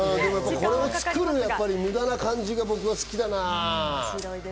この無駄な感じが僕は好きだな。